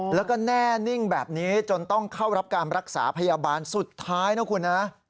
แล้วก็แน่นิ่งแบบนี้จนต้องเข้ารับการรักษาพยาบาลสุดท้ายนะคุณนะ